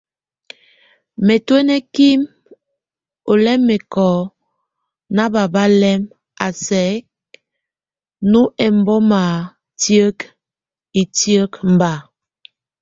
Nétuenekin olɛm mɛkɔ ná baba lɛn a sɛk nú embɔma tík etiek, mba.